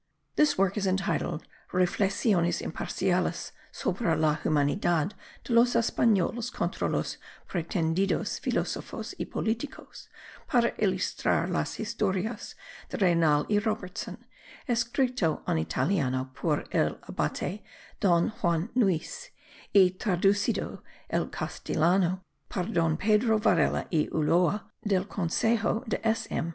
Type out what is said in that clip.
This work is entitled Reflexiones imparciales sobre la humanidad de los Epanoles contra los pretendidos filosofos y politicos, para illustrar las historias de Raynal y Robertson; escrito en Italiano por el Abate Don Juan Nuix, y traducido al castellano par Don Pedro Varela y Ulloa, del Consejo de S.M.